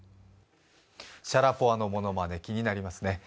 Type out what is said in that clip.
シャラポワのものまね、気になりますね。